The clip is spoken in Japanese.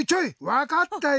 わかったよ